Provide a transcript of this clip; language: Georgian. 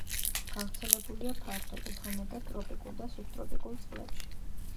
გავრცელებულია ფართოდ, უფრო მეტად ტროპიკულ და სუბტროპიკულ წყლებში.